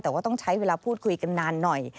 แต่ว่าต้องใช้เวลาพูดคุยกันนานหน่อย